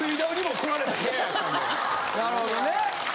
なるほどね。